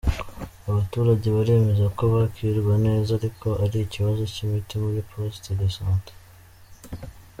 Abaturage baremeza ko bakirwa neza ariko ari ikibazo cy’imiti muri Poste de Sante.